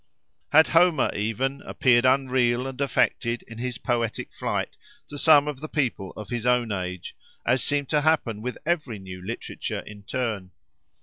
Had Homer, even, appeared unreal and affected in his poetic flight, to some of the people of his own age, as seemed to happen with every new literature in turn?